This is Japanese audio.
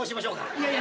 いやいや。